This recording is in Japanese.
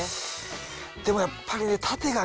でもやっぱりね。